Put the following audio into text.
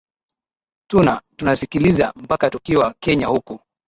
tuna tunasikiliza mpaka tukiwa kenya huku